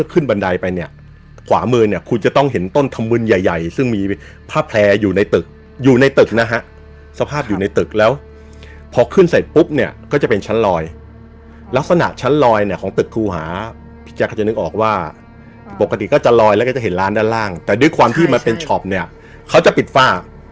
ขึ้นเสร็จปุ๊บเนี่ยก็จะเป็นชั้นลอยลักษณะชั้นลอยเนี่ยของตึกครูหาพี่แจ๊กจะนึกออกว่าปกติก็จะลอยแล้วก็จะเห็นร้านด้านล่างแต่ด้วยความที่มันเป็นชอบเนี่ยเขาจะปิดฝ้า